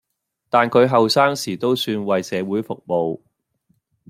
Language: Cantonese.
但佢後生時都算為社會服務